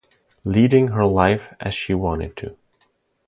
Leading her life as she wanted to.